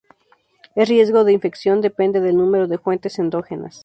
El riesgo de infección depende del número de fuentes endógenas.